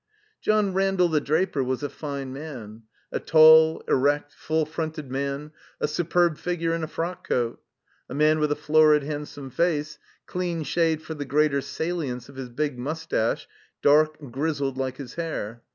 John Randall, the draper, was a fine man. A taU, erect, full fronted man, a superb figure in a frock coat. A man with a florid, handsome face, clean shaved for the greater salience of his big mustache (dark, grizzled like his hair).